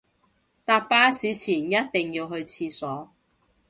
搭巴士前一定要去廁所